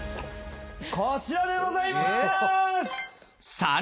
こちらでございまーす！